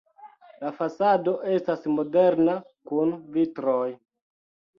La fasado estas moderna kun vitroj.